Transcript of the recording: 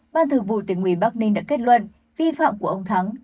ban thử vụ tiến ủy bắc ninh đã kết luận vi phạm của ông thắng